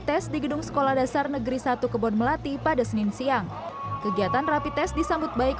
tes di gedung sekolah dasar negeri satu kebon melati pada senin siang kegiatan rapi tes disambut baik